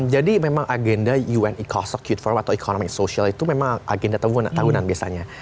jadi memang agenda un ecoso youth forum atau economic social itu memang agenda tahunan biasanya